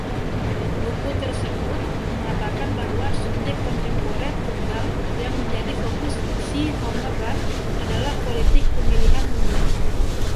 Buku tersebut mengatakan bahwa "subjek kontemporer tunggal" yang menjadi fokus "See Homer Run" adalah "politik pemilihan umum".